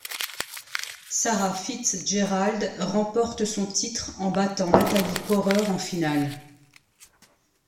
Sarah Fitz-Gerald remporte son titre en battant Natalie Pohrer en finale.